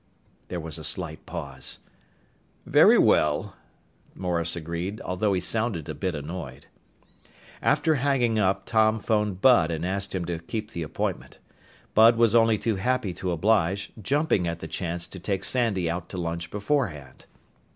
There was a slight pause. "Very well," Morris agreed, although he sounded a bit annoyed. After hanging up, Tom phoned Bud and asked him to keep the appointment. Bud was only too happy to oblige, jumping at the chance to take Sandy out to lunch beforehand.